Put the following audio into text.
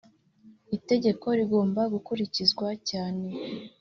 itegeko rigomba gukurikizwa cyane